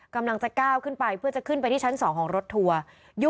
กำลังจะก้าวขึ้นไปเพื่อจะขึ้นไปที่ชั้น๒ของรถทัวร์